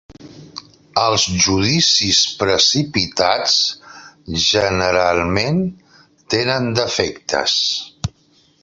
Els judicis precipitats generalment tenen defectes.